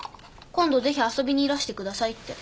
今度ぜひ遊びにいらしてくださいって。